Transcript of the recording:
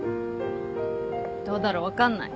どうだろう分かんない。